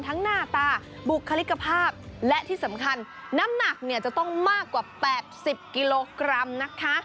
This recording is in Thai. หน้าตาบุคลิกภาพและที่สำคัญน้ำหนักเนี่ยจะต้องมากกว่า๘๐กิโลกรัมนะคะ